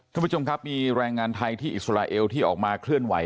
ท่านผู้ชมครับมีแรงงานไทยที่อิสราเอลที่ออกมาเคลื่อนไหว